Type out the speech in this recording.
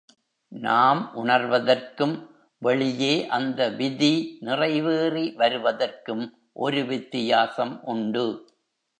நாம் உணர்வதற்கும், வெளியே அந்த விதி நிறைவேறி வருவதற்கும் ஒரு வித்தியாசம் உண்டு.